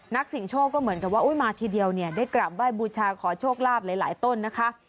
สิ่งโชคก็เหมือนกับว่ามาทีเดียวเนี่ยได้กราบไหว้บูชาขอโชคลาภหลายต้นนะคะ